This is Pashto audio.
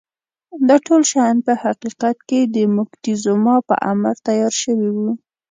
دا ټول شیان په حقیقت کې د موکتیزوما په امر تیار شوي وو.